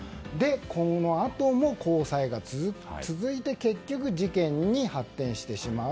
今後、交際も続いて結局、事件に発展してしまう。